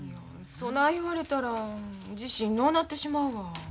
そない言われたら自信のうなってしまうわ。